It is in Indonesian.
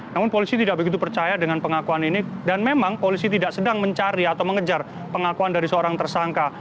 namun polisi tidak begitu percaya dengan pengakuan ini dan memang polisi tidak sedang mencari atau mengejar pengakuan dari seorang tersangka